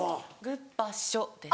「グッパッショ」です。